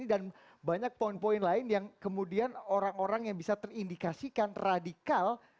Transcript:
dan banyak poin poin lain yang kemudian orang orang yang bisa terindikasikan radikal